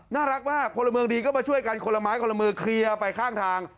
น่ารักมากพลเมืองดีก็มาช่วยกันคนละไม้คนละมือเคลียร์ไปข้างทาง